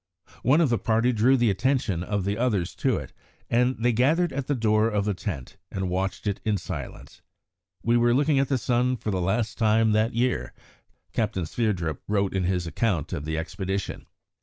One of the party drew the attention of the others to it, and they gathered at the door of the tent and watched it in silence. "We were looking at the sun for the last time that year," Captain Sverdrup wrote in his account of the expedition.